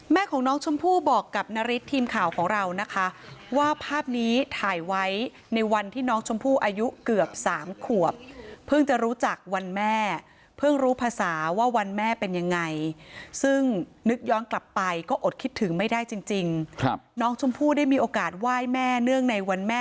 แม่ของน้องชมพู่บอกกับนาริสทีมข่าวของเรานะคะว่าภาพนี้ถ่ายไว้ในวันที่น้องชมพู่อายุเกือบสามขวบเพิ่งจะรู้จักวันแม่เพิ่งรู้ภาษาว่าวันแม่เกือบสามขวบเพิ่งจะรู้จักวันแม่เพิ่งรู้ภาษาว่าวันแม่เกือบสามขวบเพิ่งจะรู้จักวันแม่เพิ่งรู้ภาษาว่าวันแม่เกือบสามขวบเพิ่งจะร